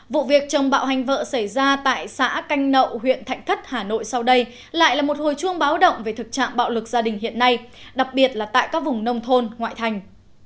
vụ việc chồng bạo hành vợ xảy ra tại xã canh nậu huyện thạnh thất hà nội sau đây lại là một hồi chuông báo động về thực trạng bạo lực gia đình hiện nay đặc biệt là tại các vùng nông thôn ngoại thành